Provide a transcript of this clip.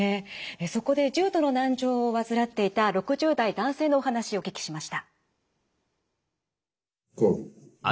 そこで重度の難聴を患っていた６０代男性のお話お聞きしました。